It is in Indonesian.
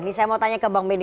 ini saya mau tanya ke bang benn